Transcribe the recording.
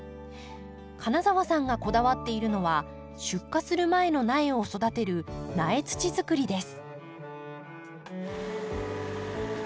金澤さんがこだわっているのは出荷する前の苗を育てる苗土づくりです。